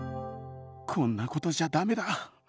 こんなことじゃ駄目だ。